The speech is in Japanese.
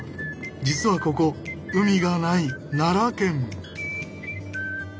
実はここ海がない奈良県！